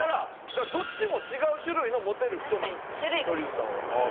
だからどっちも違う種類のモテる人なんですよ見取り図さんは。